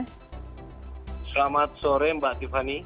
selamat sore mbak tiffany